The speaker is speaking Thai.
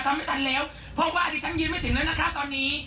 ไม่ทันแล้วเพราะว่าดิฉันยืนไม่ถึงแล้วนะคะตอนนี้